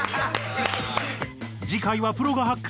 次回はプロが発掘